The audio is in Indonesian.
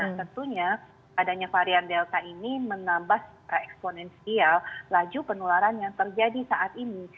nah tentunya adanya varian delta ini menambah pre eksponensial laju penularan yang terjadi saat ini